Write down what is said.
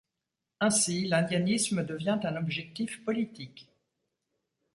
Ainsi l'indianisme devient un objectif politique.